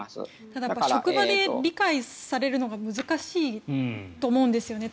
ただ職場で理解されるのが難しいと思うんですよね。